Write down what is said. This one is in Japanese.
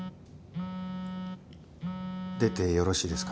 出てよろしいですか？